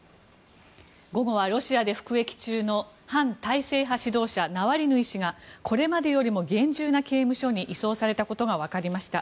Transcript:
午後はロシアで服役中の反体制派指導者ナワリヌイ氏がこれまでよりも厳重な刑務所に移送されたことがわかりました。